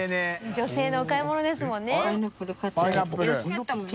女性のお買い物ですもんね伊東さん）